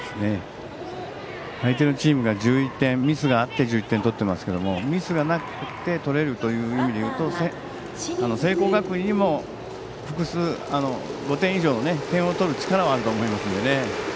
相手のチームがミスがあって１１点取っていますけれどもミスがなくて取れるという意味で言うと聖光学院にも複数５点以上、点を取る力はあると思いますのでね。